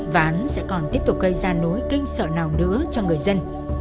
và hắn sẽ còn tiếp tục gây ra nối kinh sợ nào nữa cho người dân